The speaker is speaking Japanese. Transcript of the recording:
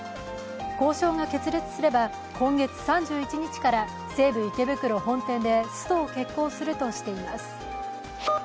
交渉が決裂すれば、今月３１日から西部池袋本店でストを決行するとしています。